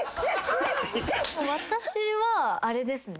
私はあれですね。